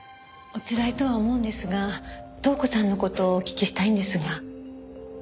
おつらいとは思うんですが塔子さんの事をお聞きしたいんですが。